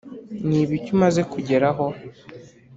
ni ibiki umaze kugeraho?